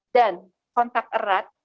dan kontak erat